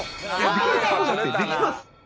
できるかもじゃなくてできます。